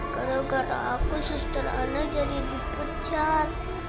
karena aku suster anak jadi dipecat